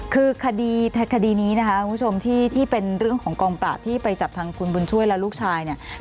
คือคดีนี้นะคะคุณผู้ชมที่เป็นเรื่องของกองปราบที่ไปจับทางคุณบุญช่วยและลูกชายเนี่ย